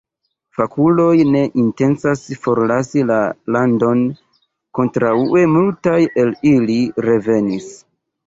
Fakuloj ne intencas forlasi la landon, kontraŭe multaj el ili revenis.